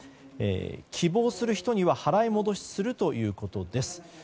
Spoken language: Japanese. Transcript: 希望する人には払い戻しするということです。